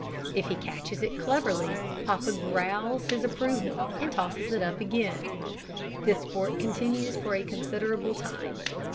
If he catches it cleverly, papa growls his approval, and tosses it up again. This sport continues for a considerable time.